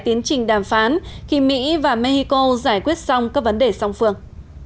tiến trình đàm phán khi mỹ và mexico giải quyết xong các vấn đề song phương